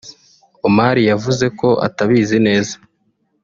Omari yavuze ko atabizi neza